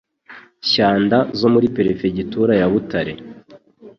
Shyanda zo muri Perefegitura ya Butare).